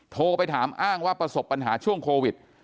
โทรไปถามอ้างว่าประสบปัญหาช่วงโควิด